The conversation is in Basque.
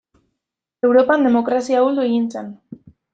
Europan demokrazia ahuldu egin zen.